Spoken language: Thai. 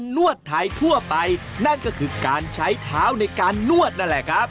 นั่นก็คือการใช้เท้าในการนวดนั่นแหละครับ